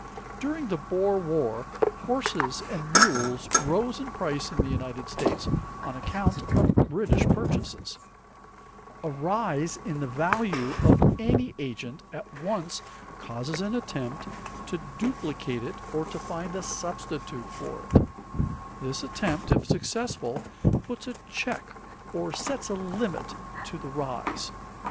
During the Boer War horses and mules rose in price in the United States on account of British purchases. [Sidenote: Cause efforts to increase the supply of agents] A rise in the value of any agent at once causes an attempt to duplicate it or to find a substitute for it; this attempt, if successful, puts a check or sets a limit to the rise.